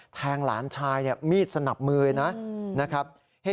หลานชายมีดสนับมือเลยนะครับ